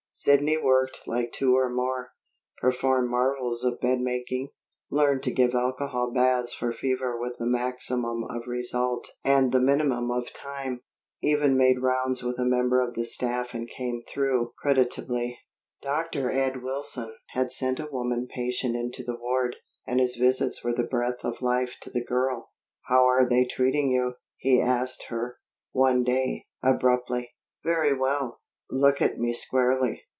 Sidney worked like two or more, performed marvels of bed making, learned to give alcohol baths for fever with the maximum of result and the minimum of time, even made rounds with a member of the staff and came through creditably. Dr. Ed Wilson had sent a woman patient into the ward, and his visits were the breath of life to the girl. "How're they treating you?" he asked her, one day, abruptly. "Very well." "Look at me squarely.